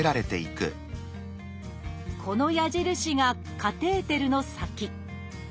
この矢印がカテーテルの先。